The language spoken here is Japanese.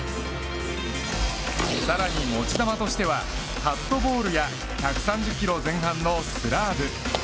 さらに、持ち球としてはカットボールや１３０キロ前半のスラーブ。